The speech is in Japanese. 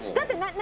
何？